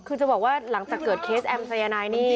คือจะบอกว่าหลังจากเกิดเคสแอมสายนายนี่